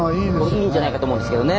いいんじゃないかと思うんですけどね。